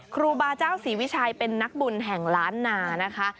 ครูบาเจ้าศรีวิชัยเป็นนักบุญแห่งล้านนานะคะ